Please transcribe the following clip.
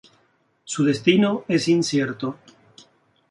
Su destino es incierto.